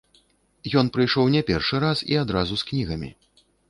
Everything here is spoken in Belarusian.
Ён прыйшоў не першы раз, і адразу з кнігамі.